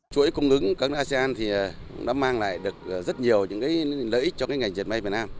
chuỗi cung ứng của các nước asean đã mang lại rất nhiều lợi ích cho ngành diệt mây việt nam